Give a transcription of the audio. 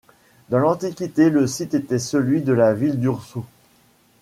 Dans l'antiquité le site était celui de la ville d'Urso.